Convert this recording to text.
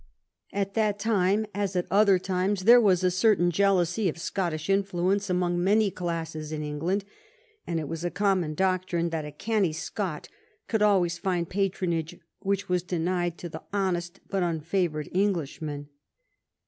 At that time, as at other times, there was a certain jealousy of Scottish influence among many classes in England, and it was a common doc trine that the canny Scot could always find patronage which was denied to the honest but unfavored Eng lishman.